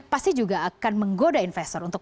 pasti juga akan menggoda investor untuk